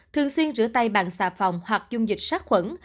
thường xuyên rửa tay bằng xà phòng hoặc dung dịch sát khuẩn